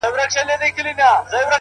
گوره وړې زيارت ته راسه زما واده دی گلي;